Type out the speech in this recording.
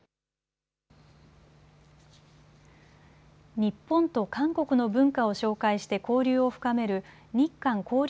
日本と韓国の文化を紹介して交流を深める日韓交流